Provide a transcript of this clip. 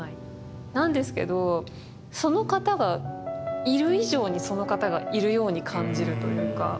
なんですけどその方がいる以上にその方がいるように感じるというか。